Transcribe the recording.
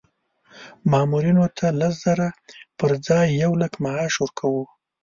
مامورینو ته د لس زره پر ځای یو لک معاش ورکوو.